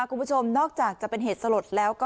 คุณผู้ชมนอกจากจะเป็นเหตุสลดแล้วก็